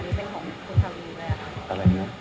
อันนี้เป็นของครอบครองด้วยแล้วครับอะไรนะ